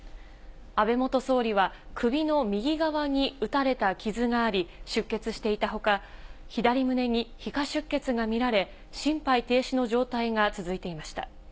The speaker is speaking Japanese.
安倍元総理は首の右側に撃たれた傷があり、出血していたほか、左胸に皮下出血が見られ、心肺停止の状態が続いていました。